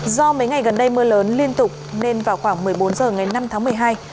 do mấy ngày gần đây mưa lớn liên tục nên vào khoảng một mươi bốn h ngày năm tháng một mươi hai